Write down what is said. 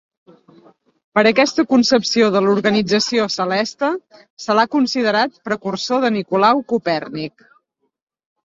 Per aquesta concepció de l'organització celeste, se l'ha considerat precursor de Nicolau Copèrnic.